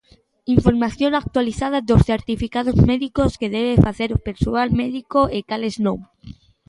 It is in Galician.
Información actualizada dos certificados médicos que debe facer o persoal médico e cales non.